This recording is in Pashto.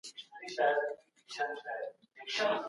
هغه خپل مخالفین د خپلو اهدافو لپاره وکارول.